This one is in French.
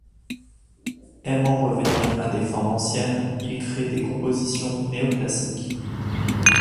Aimant revenir à des formes anciennes, il crée des compositions néo-classiques.